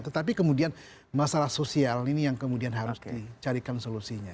tetapi kemudian masalah sosial ini yang kemudian harus dicarikan solusinya